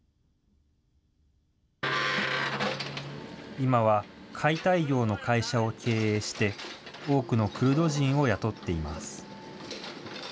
今は解体業の会社を経営して、多くのクルド人を雇っています。